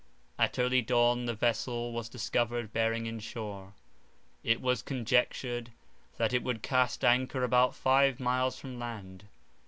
At early dawn the vessel was discovered bearing in shore; it was conjectured that it would cast anchor about five miles from land.